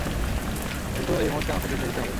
কিন্তু এই মুহুর্তে আমাকে যেতে দিতে হবে।